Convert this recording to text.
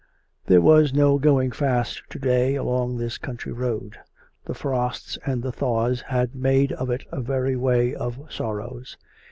There was no going fast to day along this country road. The frosts and the tliaws had made of it a very way of sorrows.